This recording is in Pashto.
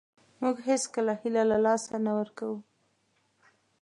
موږ هېڅکله هیله له لاسه نه ورکوو .